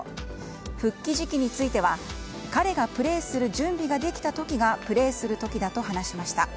復帰時期については彼がプレーする準備ができた時がプレーする時だと話しました。